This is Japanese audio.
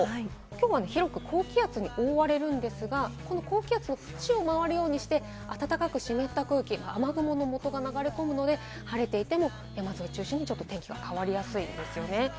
きょうは高気圧に覆われるんですが、高気圧の縁をまわるようにして暖かく湿った空気、雨雲のもとが流れ込むので、晴れていても山沿いを中心に天気が変わりやすいんですよね。